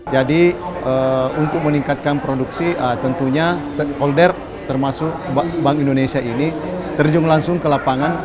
jadi untuk meningkatkan produksi tentunya holder termasuk bank indonesia ini terjun langsung ke lapangan